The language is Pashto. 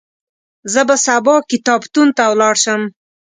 زه به سبا کتابتون ته ولاړ شم.